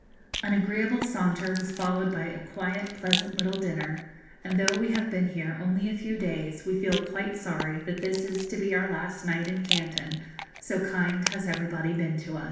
An agreeable saunter was followed by a quiet, pleasant little dinner, and though we have been here only a few days we feel quite sorry that this is to be our last night in Canton, so kind has everybody been to us.